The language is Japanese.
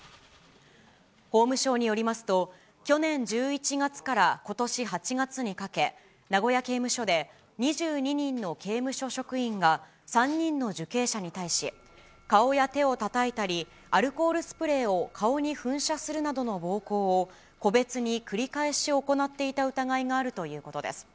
法務省によりますと、去年１１月からことし８月にかけ、名古屋刑務所で、２２人の刑務所職員が３人の受刑者に対し、顔や手をたたいたり、アルコールスプレーを顔に噴射するなどの暴行を、個別に繰り返し行っていた疑いがあるということです。